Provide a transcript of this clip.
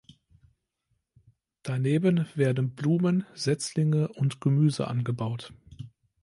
Daneben werden Blumen, Setzlinge und Gemüse angebaut.